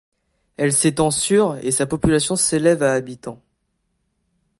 Elle s'étend sur et sa population s'élève à habitants.